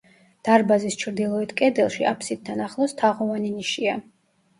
დარბაზის ჩრდილოეთ კედელში, აფსიდთან ახლოს თაღოვანი ნიშია.